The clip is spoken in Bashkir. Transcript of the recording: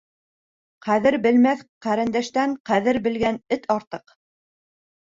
Ҡәҙер белмәҫ ҡәрендәштән ҡәҙер белгән эт артыҡ.